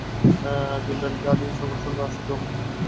জিব্রাইল যা নিয়ে সকাল-সন্ধ্যা আসা-যাওয়া করত।